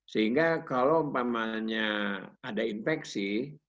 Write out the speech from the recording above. sehingga kalau umpamanya ada infeksi